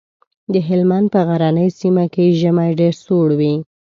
د هلمند په غرنۍ سيمه کې ژمی ډېر سوړ وي.